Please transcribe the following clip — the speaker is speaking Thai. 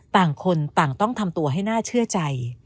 ต่างคนต่างต้องทำตัวให้น่าเชื่อใจ